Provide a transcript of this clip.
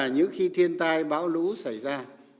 và những khi thiên tai bão lũ xảy ra